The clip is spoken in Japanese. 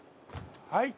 はい。